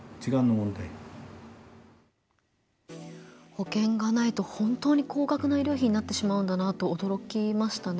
保険がないと本当に高額な医療費になってしまうんだなと驚きましたね。